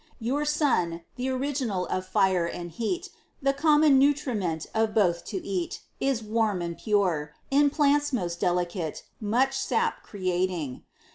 Your Sun, th' original of Fire and heat, The common nutriment of both to eat, Is warm and pure; in plants most delicate, Much sap creating.